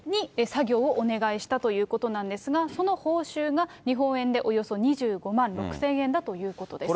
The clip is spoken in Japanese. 作業をお願いしたということなんですが、その報酬が、日本円でおよそ２５万６０００円だということです。